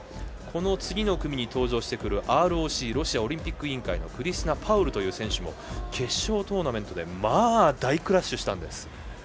この次の組に登場するＲＯＣ＝ロシアオリンピック委員会のクリスティナ・パウルという選手も決勝トーナメントでまあ、大クッシュをしたんです。